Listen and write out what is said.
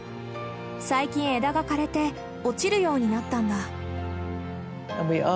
最近枝が枯れて落ちるようになったんだ。